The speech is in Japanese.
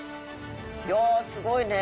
いやすごいね。